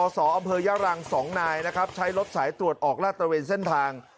สออำเภอยะรัง๒นายนะครับใช้รถสายตรวจออกลาดตระเวนเส้นทาง